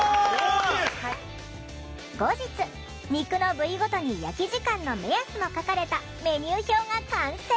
後日肉の部位ごとに焼き時間の目安も書かれたメニュー表が完成。